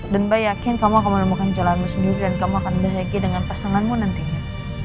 mbak yakin kamu akan menemukan jalanmu sendiri dan kamu akan bahagia dengan pasanganmu nantinya